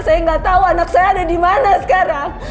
saya gak tau anak saya ada dimana sekarang